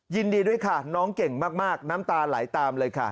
ยินดีด้วยค่ะน้องเก่งมากน้ำตาไหลตามเลยค่ะ